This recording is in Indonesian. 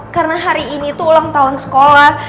karena hari ini tuh ulang tahun sekolah